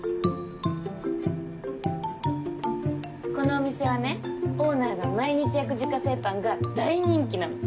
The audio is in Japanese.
このお店はねオーナーが毎日焼く自家製パンが大人気なの。